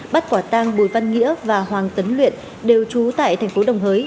bắt quả tăng bùi văn nghĩa và hoàng tấn luyện đều trú tại thành phố đồng hới